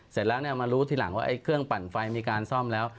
เสร็จแล้วมารู้ทีหลังว่าเครื่องปั่นไฟมีการซ่อมแล้ว